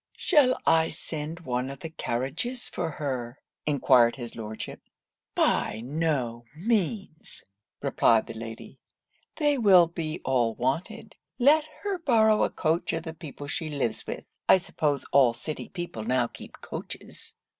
'Shall I send one of the carriages for her?' enquired his Lordship. 'By no means,' replied the Lady. 'They will be all wanted. Let her borrow a coach of the people she lives with. I suppose all city people now keep coaches.